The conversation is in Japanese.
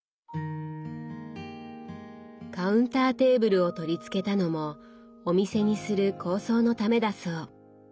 カウンターテーブルを取り付けたのもお店にする構想のためだそう。